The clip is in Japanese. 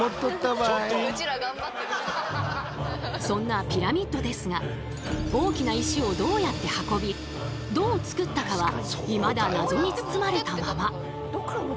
そんなピラミッドですが大きな石をどうやって運びどうつくったかはいまだ謎に包まれたまま！